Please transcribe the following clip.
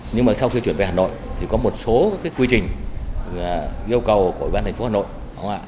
nhưng mà sau khi chuyển về hà nội thì có một số quy trình yêu cầu của ủy ban thành phố hà nội không ạ